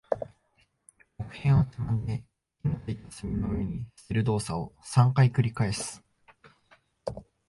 木片をつまんで、火の付いた炭の上に捨てる動作を三回繰り返す。